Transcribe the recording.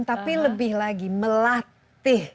tapi lebih lagi melatih